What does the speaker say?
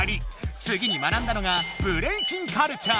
つぎに学んだのが「ブレイキンカルチャー」！